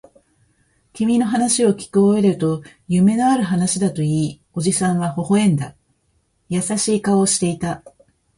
君の話をきき終えると、夢のある話だと言い、おじさんは微笑んだ。優しい顔をしていた。